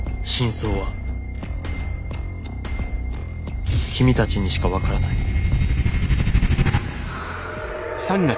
真相は君たちにしかわからない」。